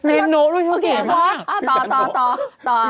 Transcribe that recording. โอ๊ยโน่ด้วยโอเคต่อ